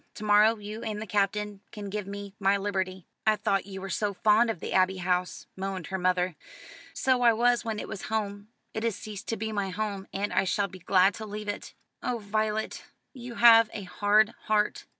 To morrow you and the Captain can give me my liberty." "I thought you were so fond of the Abbey House," moaned her mother. "So I was when it was home. It has ceased to be my home, and I shall be glad to leave it." "Oh, Violet, you have a hard heart."